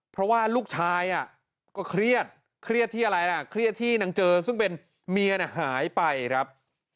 เพราะว่าลูกชายก็เครียดเครียดที่นางเจอซึ่งเป็นเมียหายไปครับ